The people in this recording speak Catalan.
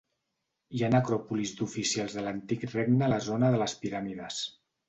Hi ha necròpolis d'oficials de l'antic regne a la zona de les piràmides.